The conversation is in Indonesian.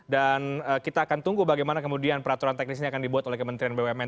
dan kita akan tunggu bagaimana kemudian peraturan teknis ini akan dibuat oleh kementerian bumn